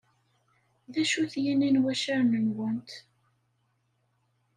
D acu-t yini n waccaren-nwent?